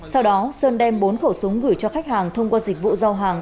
sau đó sơn đem bốn khẩu súng gửi cho khách hàng thông qua dịch vụ giao hàng